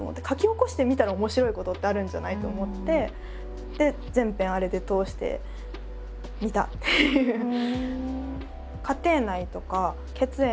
「書き起こしてみたら面白いことってあるんじゃない？」と思って全編あれで通してみたっていう。